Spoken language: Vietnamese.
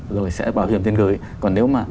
rồi sẽ bảo hiểm tiền gửi còn nếu mà